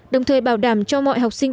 đồng thời bảo đảm cho mọi học sinh